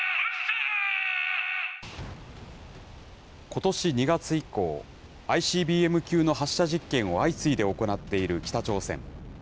ことし２月以降、ＩＣＢＭ級の発射実験を相次いで行っている北朝鮮。